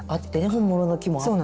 本物の木もあって。